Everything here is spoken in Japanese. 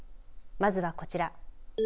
まずは、こちら。